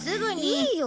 いいよ。